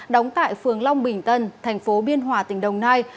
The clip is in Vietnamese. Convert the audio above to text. đóng tại phường long bình tân thành phố biên hòa tỉnh đồng nai